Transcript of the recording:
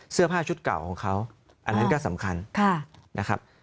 เสื้อผ้าชุดเก่าของเขาอันนั้นก็สำคัญนะครับ